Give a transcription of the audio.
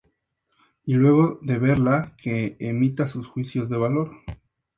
Y luego de verla, que emita sus juicios de valor.